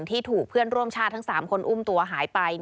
ที่ถูกเพื่อนร่วมชาติทั้ง๓คนอุ้มตัวหายไป